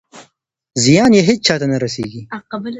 زیان یې هېچا ته نه رسېږي.